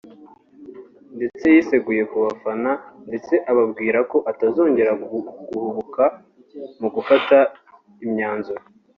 ndetse yiseguye ku bafana ndetse ababwira ko atazongera guhubuka mu gufata imyanzuro